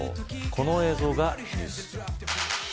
この映像がニュース。